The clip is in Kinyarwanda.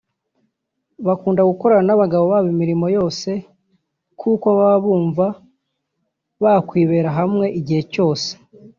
Bakunda gukorana n’abagabo babo imirimo yose kuko baba bumva bakwibera hamwe igihe cyose